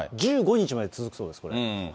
１５日まで続くそうです、これ。